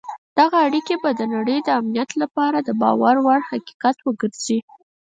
دغه اړیکي به د نړۍ د امنیت لپاره د باور وړ حقیقت وګرځي.